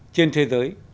trên thế giới